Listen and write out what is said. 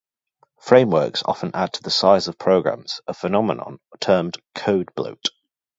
Frameworks often add to the size of programs, a phenomenon termed "code bloat".